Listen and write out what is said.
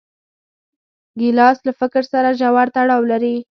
ګیلاس له فکر سره ژور تړاو لري.